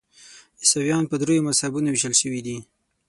عیسویان په دریو مذهبونو ویشل شوي دي.